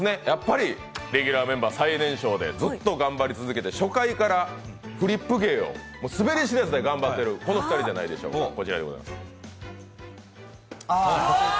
やっぱりレギュラーメンバー最年少でずっと頑張り続けて、初回からフリップ芸をスベり知らずで頑張っているこの２人じゃないでしょうか。